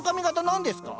何ですか？